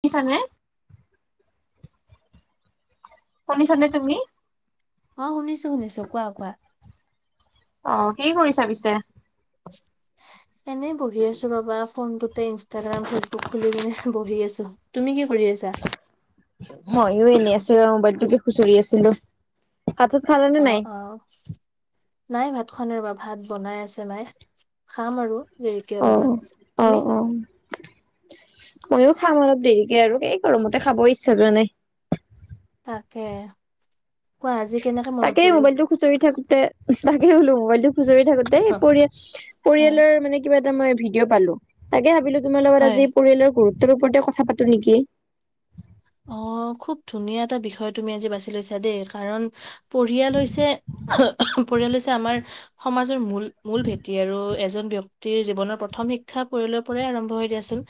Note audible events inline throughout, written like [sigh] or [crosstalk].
কি চানলে শুনিছানে তুমি। অ' শুনিছো-শুনিছো, কোৱা-কোৱা। অ' কি কৰিছা পিছে। এনেই বহি আছো ৰবা ফোনটোতে ইনষ্টাগ্ৰাম, ফেচবুক খুলি কিনে বহি আছো তুমি কি কৰি [inaudible] হয় এনেয়ে এনে আছো আৰু মোবাইলটোকে খুচৰি আছিলো। ভাত চাত খালা নে নাই? অ'-অ' নাই ভাত খোৱা নাই ৰবা, ভাত বনাই আছে মায়ে। খাম আৰু দেৰিকে অ অলপমান অ তুমি। অ। ময়ো খাম অলপ দেৰিকে আৰু এই গৰমতে খাব ইচ্ছা যোৱা নাই। তাকে কোৱা আজি কেনেকে মনত তাকেই পৰিল মোবাইলটো খুচৰি থাকোতে তাকে বুলো মোবাইলটো খুচৰি থাকোতে পৰিয়া- অ পৰিয়ালৰ মানে কিবা মই ভিডিঅ' পালো তাকে ভাবিলো তোমাৰ লগত হয় আজি পৰিয়ালৰ গুৰুত তোৰ ওপৰতে কথা পাতো নেকি? অ' খুব ধুনীয়া এটা বিষয় তুমি আজি বাছি লৈছা দেই কাৰণ পৰিয়াল হৈছে। পৰিয়াল হৈছে, আমাৰ সমাজৰ মূল-মূল ভেটি আৰু এজন ব্যক্তিৰ জীৱনৰ প্ৰথম সম শিক্ষা পৰিয়ালৰ পৰা আৰম্ভ হয় দিয়া চোন,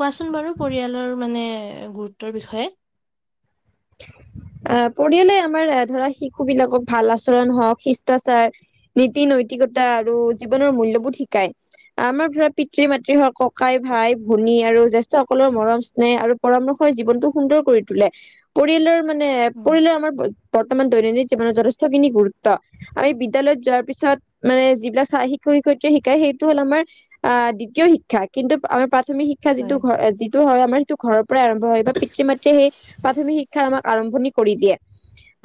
কোৱাচোন বাৰু পৰিয়ালৰ মানে গুৰুত্বৰ বিষয়ে। অ' পৰিয়ালে আমাৰ ধৰা শিশু বিলাকক ভাল আচৰণ হওক, শিষ্টাচাৰ নীতি-নৈতিকতা আৰু জীৱনৰ মূল্যবোধ শিকাই, আমাৰ ধৰা পিতৃ- মাতৃ হক। ককাই ভাই-ভনী আৰু জ্যেষ্ঠসকলৰ মৰম-স্নেহে আৰু পৰামৰ্শই জীৱনটো সুন্দৰ কৰি তোলে। পৰিয়ালৰ মানে উম, পৰিয়ালৰ আমাৰ। বৰ্তমান দৈনন্দিন জীৱনত যথেষ্টখিনি গুৰুত্ব আমি বিদ্যালয়ত যোৱাৰ পিছত মানে যিবিলাক চাই শিক্ষক শিক্ষয়িত্ৰী শিকায় সেইটো হ'ল আমাৰ দ্বিতীয় শিক্ষা কিন্তু আমাৰ প্ৰাথমিক শিক্ষা যিটো হয় ঘৰ যিটো হয় আমাৰ, সিটো ঘৰ পৰাই আৰম্ভ বা পিতৃ-মাতৃয়ে সেই প্ৰাথমিক শিক্ষা আৰম্ভণি কৰি দিয়ে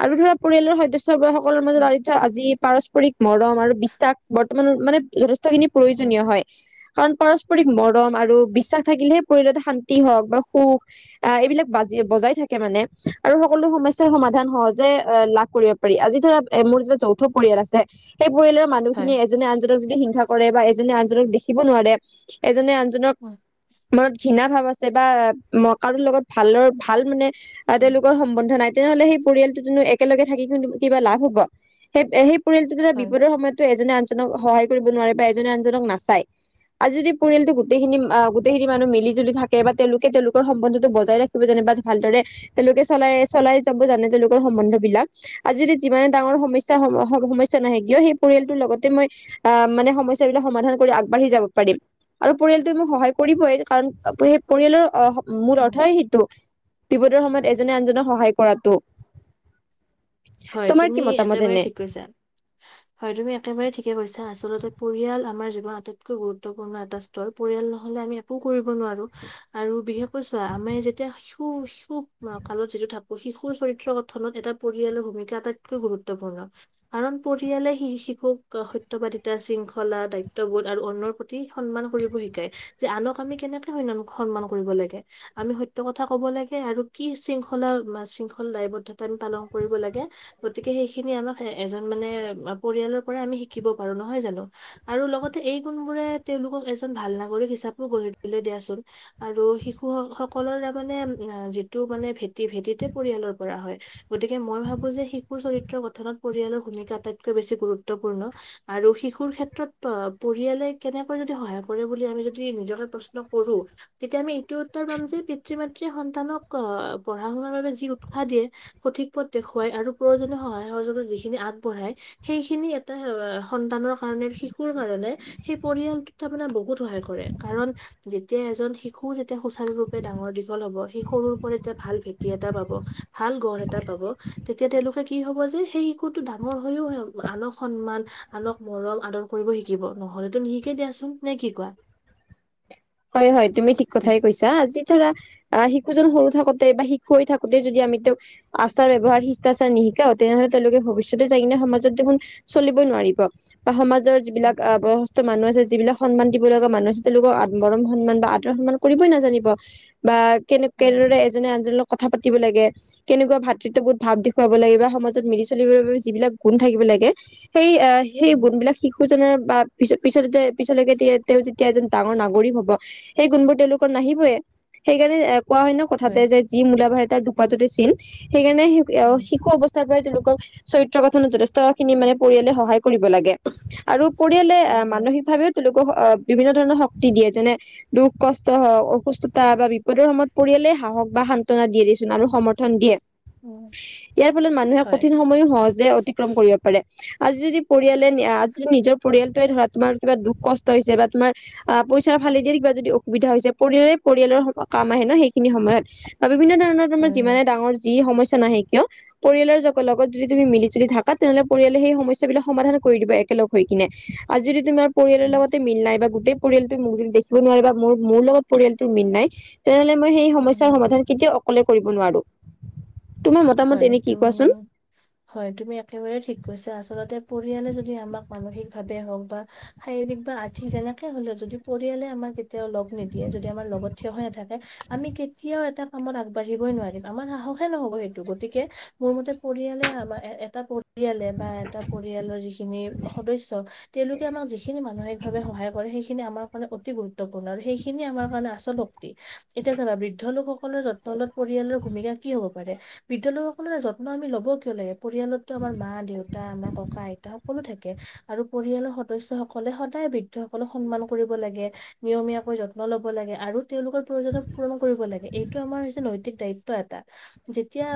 আৰু ধৰা পৰিয়ালৰ সদস্য সকলৰ উম, আজি পাৰস্পৰিক ৰিক মৰম আৰু বিশ্বাস বৰ্তমানৰ মানে যথেষ্টখিনি উম, প্ৰয়োজনীয় হয়। কাৰণ পাৰস্পৰিক মৰম আৰু বিশ্বাস থাকিলেহে পৰিয়ালত শান্তি হওক বা সুখ আহ এইবিলাক বাজি বজাই থাকে মানে আৰু সকলো সমস্যাৰ সমাধান সহজে লাভ কৰিব পাৰি। আজি ধৰা এ মোৰ যেতিয়া যৌথ পৰিয়াল আছে। সেই পৰিয়ালৰ হয় মানুহখিনিয়ে এজনে আনজনক যদি হিংসা কৰে বা এজনে আনজনক দেখিব নোৱাৰে এজনে আন উম, মনত ঘৃণা ভাৱ আছে বা কাৰোৰ লগত ভালৰ ভাল মানে বা উম, তেওঁলোকৰ সম্বন্ধ নাই, তেনেহলে সেই পৰিয়ালটোনো একেলগে থাকি কিন্তু কিবা লাভ হ'ব সেই-সেই পৰিয়ালটো ধৰা হয় বিপদৰ সময়তো এজনে আনজনক সহায় কৰিব নোৱাৰে বা এজনে আনজনক নাচায়। আজি যদি পৰিয়ালটো গোটেইখিনি, গোটেইখিনি মানুহ মিলি জুলি থাকে বা তেওঁলোকে তেওঁলোকৰ সম্বন্ধতটো বজাই ৰাখিব জানে ধ ভালদৰে তেওঁলোকে চলাই, চলাই যাব জানে তেওঁলোকৰ সম্বন্ধ বিলাক। আজি যদি যিমানে ডাঙৰ সমস্যা সম্যা নাহে কিয় সেই পৰিয়ালটোৰ লগতে মই আহ মানে সমস্যাবলাক সমাধান কৰি আগবাঢ়ি যাব পাৰিম। আৰু পৰিয়ালটো মোক সহায় কৰিবই কাৰণ পৰিয়ালৰ অ' মূল উম, অৰ্থই সেইটো, বিপদৰ সময়ত এজনে আনজনক সহায় কৰাতটো। হয়, তুমি একেবাৰে ঠিক কৈছা হয়, তুমি একেবাৰে ঠিকে কৈছা আছ আচলতে পৰিয়াল আমাৰ জীৱন আটাইতকৈ গুৰুত্বপূৰ্ণ এটা স্থল পৰিয়াল নহলে আমি একো কৰিব নোৱাৰো আৰু বিশেষকৈ চোৱা আমি যেতিয়া শিশু শিশু কালত যিটো থাকো শিশুৰ চৰিত্ৰ গঠনত এটা পৰিয়াল ভমিকা আটাইতকৈ গুৰুত্বপূৰ্ণ কাৰণ পৰিয়ালেি শিশুক সত্য বাদিতা শৃংখলা দায়িত্ববোধ আৰু অন্নৰ প্ৰতি সন্মান কৰিব শিকায় যে আনক আমি কেনেকে সন্মান কৰিব লাগে। আমি সত্য কথা কব লাগে আৰু কি শৃংখলা শৃংখলা দায়বদ্ধতা আমি পালন কৰিব লাগে। গতিকে সেইখিনি আমাক এজন মানে পৰিয়ালৰ পৰা আমি শিকিব পাৰো নহয় জানো আৰু লগতে এই গুনবোৰে তেওঁলোকক এজন ভাল নাগৰিক হিচাপেও গঢ়ি তুললৈ দিয়াচোন আৰু শিশুক সকলৰ তাৰ মানে যিটো মানে ভেটি ভেটিতে পৰিয়ালৰ পৰা হয় গতিকে মই ভাবো যে শিশুৰ চৰিত্ৰৰ গঠনত পৰিয়ালৰ ভূমিকা আটাইতকৈ বেছি গুৰুত্বপূৰ্ণ আৰু শিশুৰ ক্ষেত্ৰত পৰিয়ালে কেনেকৈ সহায় কৰে বুলি আমি যদি নিজৰকে প্ৰশ্ন কৰো তেতিয়া আমি এইটো উত্তৰ পাম যে পিতৃ মাতৃ সন্তানক পঢ়া শুনাৰ বাবে যি উৎসাহ দিয়ে সঠিক পথ দেখুৱায় আৰু প্ৰয়োজনীয় সহায় সহযোগত যিখিনি আগবঢ়ায় সেইখিনি এটা সন্তানৰ কাৰণে শিশুৰ কাৰণে সেই পৰিয়ালটো তামানে বহুত সহায় কৰে, কাৰণ যেতিয়া এজন শিশু যেতিয়া সুচাৰুৰূপে ডাঙৰ দীঘল হব সেই সৰুৰ ওপৰত এটা ভাল ভেটি এটা পাব ভাল গড় এটা পাব এতিয়া তেওঁলোকে কি হব যে সেই শিশুটো ডাঙৰ হৈও আন সন্মান আলোক মৰম আদৰ কৰিব শিকিব নহলেতো নিশিকে দিয়াচোন নে কি কোৱা। হয়-হয়, তুমি ঠিক কথাই কৈছা আজি শিশুজন সৰু থাকোতে বা শিশু হৈ থাকোতেই যদি আমি তেওঁক আচাৰ, ব্যৱহাৰ শিষ্টাচাৰ নি তেনেহলে তেওঁলোকে ভৱিষ্যতে যাই কিনে সমাজত দেখোন চলিব নোৱাৰিব বা সম উম যিবিলাক বয়সস্থ মানুহ আছে যিবিলাক সন্মান দিব লগা মানুহ আছে তেওঁলোকৰ মৰম সন্মান বা আদৰ সন্মান কৰিবই নাজানিব বা কেনে হয় কেনেদৰে এজনে আনজন কথা পাতি লাগে কেনেকুৱা ভাতৃত্ব বহুত ভাৱ দেখুৱাব লাগে বা সমাজত মিলি চলিবৰ বাবে যিবিলাক গুণ থাকিব লাগ লাগে। সেই সেই উম গুণ বিলাক শিশুজনৰ বা পি পিছ পিছলৈকেতিয়া তেওঁ যেতিয়া এজন ডাঙৰ ন ৰি হব সেই গুণবোৰ তেওঁলোকৰ নাহিবয়ে সেইকাৰণে কোৱা হয় ন কথাতে যে যি মূলা বা তাৰ দুপাততে চিন সেইকাৰণে উম শিশু অৱস্থাৰ পৰা তেওঁলোকক চৰিত্ৰ গথনত যথেষ্ট খিনি মানে পৰিয়ালে সহায় কৰিব লাগে আৰু পৰিয়ালে উম হয় মানসিকভাৱেও তেওঁলোকক আহ বিভিন্ন ধৰণৰ শক্তি দিয়ে যেনে দুখ কষ্ট হওক অসুস্থতা বা বিপদৰ সময়ত পৰিয়ালেই সাহস বা সান্তনা দিয়ে আৰু সমৰ্থন দিয়ে উম ইয়াৰ ফলত মানুহে হয় কঠিন সময়ো সহজে অতিক্ৰম কৰিব পাৰে আজি যদি পৰিয়ালে আজি যদি নিজৰ পৰিয়ালটোৱে ধৰা তোমাৰ কিবা দুখ কষ্ট হৈছে বা তোমাৰ অ', পইচা ফালে দিয় কিবা যদি অসুবিধা হৈছে পৰিয় পৰিয়ালৰ কাম আহে ন সেইখিনি সময়ত বিভিন্ন ধৰণৰ তোমাৰ হয় হয় যিমানে ডাঙৰ যি সমস্য নাহে কিয় পৰিয়ালৰ লগত যদি তুমি মিলিুলি থাকা তেনেহ'লে পৰিয়ালে সেই সমস্যাাবলাক সমাধান কৰি দিব এক একেলগ হৈ কিনে আজি যদি তোমাৰ পৰিয়ালৰ উম লগতে মিল নাই বা গোটেই পৰিয়ালটো মোক যদি দেখিব নোৱাৰে বা মোৰ মোৰ লগত পৰিয়ালটোৰ মিল নাই তেনেহলে সেই হয় সমস্যাৰ হয় সমাধান কেতিয়াও অকলে কৰিব নোৱাৰো তোমাৰ মতামত হয়, এনে কি তুমি কোৱাচোন হয় তুমি একেবাৰে ঠিক কৈছা আচলতে পৰিয়ালে যদি আমাক মানসিক ভাৱে হওক বা শাৰীৰিক বা আৰ্থিক যেনেকে হলেও যদি পৰিয়ালে আমাক কেতিয়াও লগ নিদিয়ে যদি আমাৰ লগত থিয় হৈ নাথাকে আমি কেতিয়াও এটা কামত আগবাঢ়িবই নোৱাৰিম আমাৰ সাহসে নহ'ব শ গতিকে মোৰ মতে পৰিয়ালে আমাৰ এটা পৰি পৰিয়ালে বা এটা পৰিয়ালৰ যিখিনি সদস্য তেওঁলোকে আমাক যিখিনি মানসিক ভাৱে সহায় কৰে। সেইখিনি আমাৰ কাৰণে অতি গুৰুত্বপূৰ্ণ আৰু সেইখিনি আমাৰ কাৰণে আচল শক্তি এতিয়া জানা বৃদ্ধ লোকসকল সকলৰ যত্ন লত পৰিয়ালৰ ভূমিকা কি হব পাৰে বিদ্যালয়সকলৰ যত্ন আমি লব কিয় লাগে। পৰিয়ালতো আমাৰ মা- দেউা আমাৰ ককা আইতা সকলো থাকে আৰু পৰিয়ালৰ সদস্য সকলে সদায় বৃদ্ধসকলক সন্মান কৰিব লাগে নিয়মীয়াকৈ যত্ন লব লাগে আৰু তেওঁলোকৰ প্ৰয়োজনত পূৰণ কৰিব লাগে এইটো আমাৰ হৈছে নৈতিক দায়িত্ব এটা তেতিয়া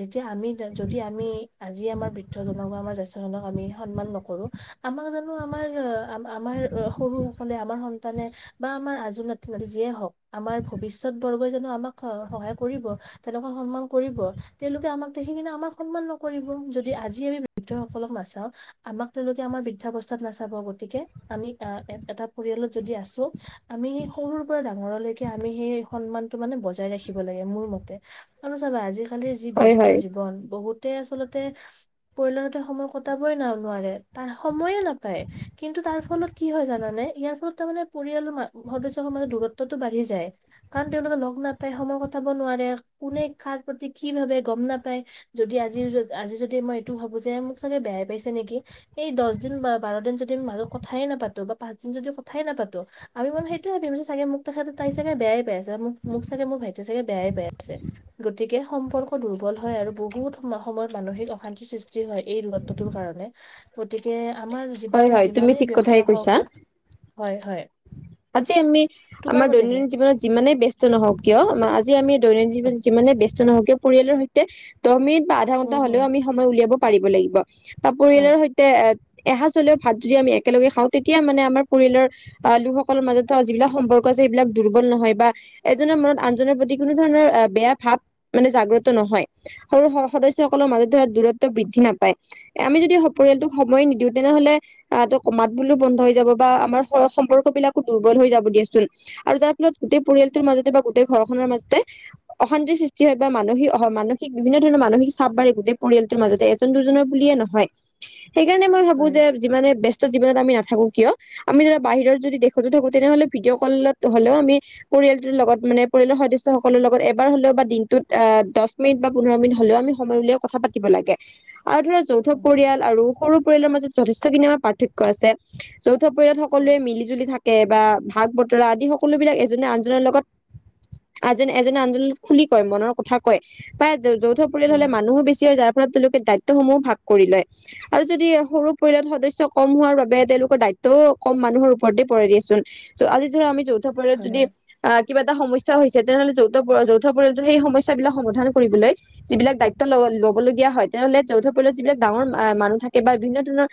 যেতিয়া আমি যদি আমি আজি আমাৰ বৃদ্ধ জনক বা আমাৰ জ্যেষ্ঠজনক আমি সন্মান নকৰোঁ আমাৰ জানো আমাৰ আ আমাৰ সৰু সকলে আমাৰ সন্তানে বা আমাৰ আজ ন ন যিয়ে হওক আমাৰ ভৱিষ্যত বৰ্গই জানো আমাক সহায় কৰিব তেনেকুৱা সন্মান কৰিব তেওঁলোকে আমাক সেইখনে আমাক সন্মান নকৰিব যদি আজি আমি ব সকলক নাচাওঁ আমাক তেওঁলোকে আমাৰ বৃদ্ধাৱস্থাত নাচাব গতিকে আমি এটা পৰিয়ালত যদি আছো আি আমি সৰুৰ পৰা ডাঙৰলৈকে আমি সেই সন্মানতটো মানে বজাই ৰাখিব লাগে মোৰ মতে আৰু চাবা আজিকালিৰ যি হয় ব্যস্ত হয় জীৱন বহুত আচলতে পৰিলাৰতে সময় কটাবই ন নোৱাৰে তাৰ সময়ে নাপায় কিন্তু তাৰ ফলত কি হয় জানে ইয়াৰ ফলত তাৰ মানে পৰিয়ালৰ সদস্াজৰ দূৰত্বতটো বাঢ়ি যায় কাৰ তেওঁলোকে লগ নাপায় সময় কটাব নোৱাৰে কোনে খাৰ প্ৰতি কি ভাবে গম নাপাই যদি আজি আজি যদি মই এইটো ভাবো যে মোক চাগে বেয়াই পাইছে নেকি নে এই দহ দিন বা বাৰ দিন যদি ম কথাই নাপাতো বা পাঁচ দিন যদি কথাই নাপাতো আৰু সেইটোোৱ ভিছে চাগে মোক তেখেততে তাই চাগে বেয়াই পাই আছে মোক মোক চাগে মোৰ ভাইটি চাগে বেয়াই পাই আছে গতিকে সম্পৰ্ক দুৰ্বল হয় আৰু বহুত সম সময়ত মানসিক অশান্তি সৃষ্টি যি হয় এই দূৰত্বটোৰ কাৰণে গতিকে আমাৰ হয় জীৱন হয় তুমি যিমানেই ঠিক ব্যস্ত কথাই নখও কৈছা কিয় হয় হয় আজি আমি তোমাৰ আমাৰ মতে কি দৈনন্দিন জীৱনত যিমানেই ব্যস্ত নহওক কিয় আ যে আমি দৈনন্দিনীৱন যিমাননে ব ব্যস্ত নহওকিয় পৰিয়ালৰ সৈতে দহ মিনিট বা আধা উম ঘণ্টা হম হলেও আমি সময় উলিয়াব পাৰিব লাগিব বা হয় পৰিয়ালৰ সৈতে এ এহাঁ হলেও ভাত যদি আমি একেলগে খাওঁ তেতিয়া মানে আমাৰ পৰিয়ালৰ আহ লোকসকলৰ মাজত থ যিবিলাক সম্পৰ্ক সবিলাক দুৰ্বল নহয় বা এজনৰ মনত আনজনৰ প্ৰতি কোনো ধৰণৰ বেয়া ভাৱ মানে জাগ্ৰত নহয় সৰু স সদস্যসকলৰ মাজত ধৰা দূৰত্ব বৃদ্ধি নাপায় আমি যদি স পৰিয়ালটোক সময় নিদিওঁ তেনেহলে আহ ত কমাত বুলো বন্ধ হৈ যাব বা আমাৰ সম্পৰ্ক বিলাকো দুৰ্বল হৈ যাব দিয়াচোন আৰু তাৰ ফলত গোটেই পৰিয়ালটোৰ মাজতে বা গোটেই ঘৰখনৰ মাজতে অশান্তিৰ সৃষ্টি হয় বা মানসিক হয় মানসিক বিভিন্ন ধৰণৰ মানসিক চাবঢি গোটেই পৰিয়ালটোৰ মাজতে এজন দুজনৰ বুলিয়ে নহয় সেইকাৰণে মই ভাবো হয় যে যিমানে বস্ত ত আি নাথো কিয় আমি বাহিৰত যদিেশতো থাকো তেনেহলে ভিডিঅ' কলত হলেও আম লগত মানে পৰিয়ালৰ সদসয়সকলৰ লগত এাৰ হলেও বা দিনটোত দহ মিনিট বা পোন্ধৰ মিট হ'লেও আমি সময় কথা পাতিব লাগে আৰু ধৰা যৌথ পৰিয়াল আৰু সৰু পৰিয়ালৰ মাজত যথেষ্টখিনি আমাৰ পাৰ্থক্য় আছে যৌথ পৰিয়ত হয় সকলোৱে মিলি জুলি থাকে বা ভাগ বতৰা আদি সকলোবিলাক এজনে আনজনৰ লগত আজনে এজনে আনজন খুলি কয় মনৰ কথা কয় বা। যৌথ পৰিয়াল হয় হলে মানুহো বেছি হয় যাৰ ফলত তেওঁলোকে দায়িত্বসমূহো ভাগ কৰি লয় আৰু যদি সৰু পৰিয়ত সদস্য় কম হোৱাৰ বাবে তেওঁলোকৰ দায়িত্বও কম মানুহৰ ওপৰতে পৰে দিয়েচোন আজি ধৰা আমি য যদি হয় আহ কিবা এটা সমস্া হৈছে তেনেহলে যৌথ যৌথ পৰ সেই সমস্যাাবলাক সমাধান কৰিবলৈ যিবিলাক দায়িত্ব ল ল'বলগীয়া হয় তেনেহ'লে যৌথ পলত হয় যিবাকাঙৰ মানুহ থাকে বা বিভিন্ন ধৰণৰ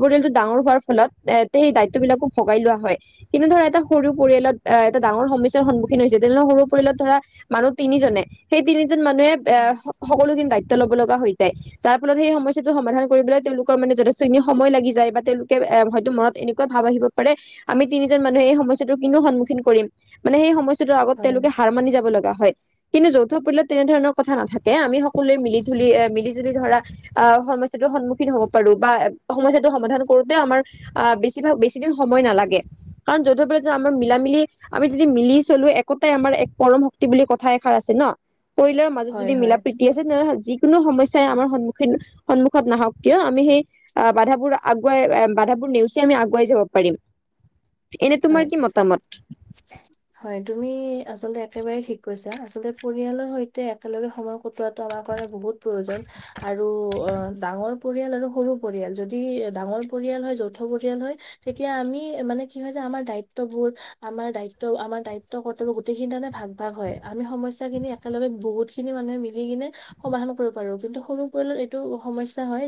পৰিয়ালটো ডাঙৰ হোৱাৰ ফলত এ সেই দায়িত্ব বিলাকো ভগাই লোৱা হয় কিনে ধৰা এটা সৰু পৰিাল পৰিয় এটা ডাঙৰ সমস্যাৰ সন্মুখীন হৈছে তেনেহলে সৰু পৰিয়ালত ধৰা মানুহ তিনিজনে সেই তিনি মানুহে এ উম, সকলোখিনি দায়িত্ব ল'ব লগা হৈ যায় তাৰ ফলত সেই সমস্যাটো সমাধান কৰিবলৈ তেওঁলোকৰ মানে যথেষ্ট ি সময় লাগি যায় বা তেওঁলোকে এ হয়তো মনত এনেকুৱা ভাব আহিব পাৰে আমি তিনিজন মানুহে এই সমস্াাতটো কিন্তু সন্মুখীন কৰিম মানে সেই সমস্াটোৰ আগত হয়, তেওঁলোকে হাৰ মানি যাব লগা হয় কিন্তু যৌথ প্যত তেনেধৰণৰ কথা নাথাকে আমি সকলোৱে মিলি ধুলি এ মিলিজুলি ধৰা আহ সমস্ি সন্মুখীন হ'ব পাৰো বা সমস্য়াাটো সমাধান কৰোতে আমাৰ আহ বেছিভাগ বেছি দিন সময় নালাগে কাৰণ যথবে আমাৰ মিলা মিলি আমি যদি মিলি চলো একোটাই আমাৰ এক পৰম শক্তি বুলি কথা এষাৰ আছে ন পৰিয়ালৰ মাজত হয়, যদি মিলা হয়, প্ৰ্ৰীতি আছে তেনেহলে যিিকোনো সমস্য়াই আমাৰ সন্মুখীন সন্মুখত নাহওক কিয় আমি সেই বাধাবোৰ আগুৱাই বাধাবোৰ নেওচি আমি আগুৱাই যাব পাৰিম এনে তোমাৰ হয় কি মতামত হয় তুমি আচলতে একেবাৰে ঠিক কৈছো আচলতে পৰিয়ালৰ সৈতে একেলগে সময় কটোৱাটো আমাৰ কাৰণে বহুত। প্ৰয়োজন আৰু অ 'ডাঙৰ পৰিয়াল আৰু সৰু পৰিয়াল যদি ডাঙৰ পৰিয়াল হয় যৌথ পৰিয়াল হয় তেতিয়া আমি মানে কি হয়। যে আমাৰ দায়িত্ববোধ আমাৰ দায়িত্ব আমাৰ দায়িত্ব কৰ্তব্য গোটেইখিনি তাৰ আমি ভাগ ভাগ হয় আমি। একেলগে বহুত খিনি মানুহে মিলি কিনে সমাধান কৰিব পাৰো কিন্তু সৰু পৰিয়ালত এইটো সমস্যা হয়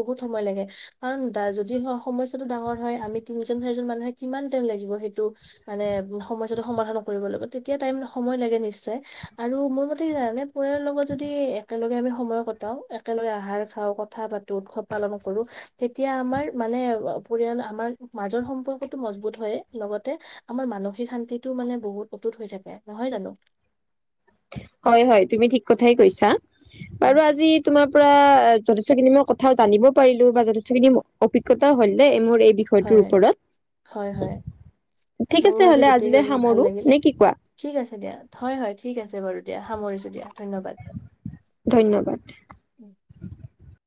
বহুত সময় লাগে কাৰণ যদি হয় সমস্যা টো ডাঙৰ হয় আমি তিনজন চাৰিজন মানুহে কিমান টাইম লাগিব সেইটো মানে সমস্য়াটো সমাধান কৰিবৰ লগত তেতিয়া টাইম সময় লাগে নিশ্চয়। আৰু মোৰ মতে কি জানে পাৰ লগত যদি একেলগে আমি সময় কটাও একেলগে আহাৰ চাও কথা কথা পাতো উৎসৱ পালন কৰো তেতিয়া আমাৰ মানে পৰিয়াল আমাৰ মাজৰ সম্পৰ্ক। মজবুত হয় লগতে আমাৰ মানসিক শান্তিটোও মানে বহুত অতুত হৈ থাকে নহয় জানো [inaudible] হয় হয় তুমি ঠিক কথাই কৈছা উম, বাৰু আজি তোমাৰ পৰা যথেষ্ট খিনি মই কথাও জানিব পাৰিলো বা যথেষ্টখিনি অভিজ্ঞতা হ'ল দেই মোৰ। এই বিষয়টোৰ হয় হয় হয় ওপৰত ঠিক আছে মোৰো আজি হ'লে গোটেই আজিলৈ ভাল সামৰো লাগিল নে কি কোৱা ঠিক আছে দিয়া হয় হয় ঠিক আছে। বাৰু দিয়া সামৰিছো দিয়া ধন্যবাদ। ধন্যবাদ